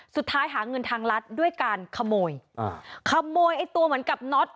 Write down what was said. หาเงินทางรัฐด้วยการขโมยอ่าขโมยขโมยไอ้ตัวเหมือนกับน็อต